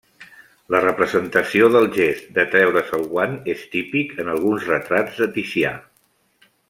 La representació del gest de treure's el guant és típic en alguns retrats de Ticià.